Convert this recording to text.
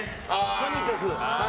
とにかく。